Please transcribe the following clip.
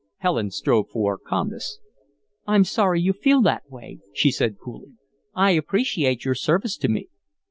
Helen strove for calmness. "I'm sorry you feel that way," she said, coolly. "I appreciate your service to me."